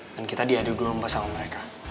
dan kita diadu dulu sama mereka